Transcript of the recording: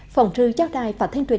phỏng trừ cháo đài và thanh truyền